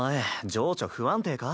情緒不安定か？